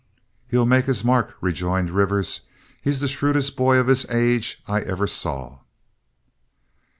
"He'll make his mark," rejoined Rivers. "He's the shrewdest boy of his age I ever saw."